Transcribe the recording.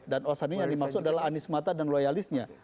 dan osan ini yang dimaksud adalah anis mata dan loyalisnya